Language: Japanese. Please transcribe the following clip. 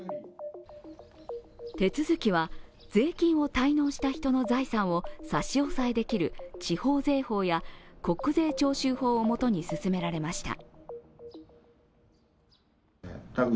手続きは税金を滞納した人の財産を差し押さえできる地方税法や国税徴収法をもとに進められました。